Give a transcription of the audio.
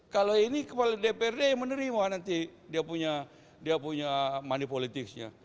kalau ini kepala dprd yang menerima nanti dia punya money politics nya